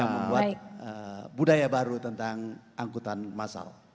yang membuat budaya baru tentang angkutan massal